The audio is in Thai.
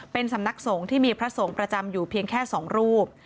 เป็นสำนักสงฆ์ที่มีพระสงฆ์ประจำอยู่เพียงแค่๒รูป